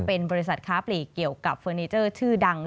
เป็นบริษัทค้าปลีกเกี่ยวกับเฟอร์นิเจอร์ชื่อดัง